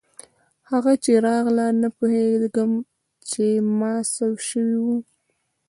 هغه چې راغله نه پوهېږم پر ما څه سوي وو.